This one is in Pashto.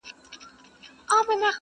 په ځنځیر د دروازې به هسي ځان مشغولوینه،